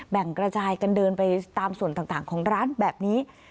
กระจายกันเดินไปตามส่วนต่างของร้านแบบนี้